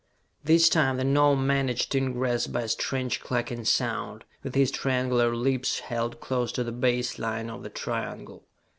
This time the Gnome managed ingress by a strange clucking sound, with his triangular lips held close to the base line of the triangle.